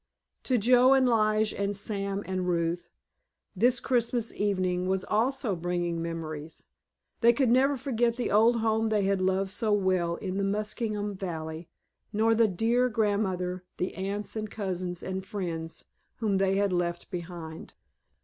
To Joe and Lige and Sam and Ruth this Christmas evening was also bringing memories. They could never forget the old home they had loved so well in the Muskingum Valley, nor the dear grandmother, the aunts and cousins and friends whom they had left behind.